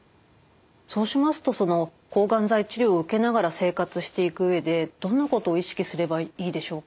そうしますとその抗がん剤治療を受けながら生活していく上でどんなことを意識すればいいでしょうか？